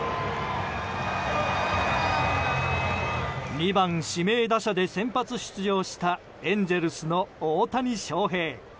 ２番、指名打者で先発出場したエンゼルスの大谷翔平。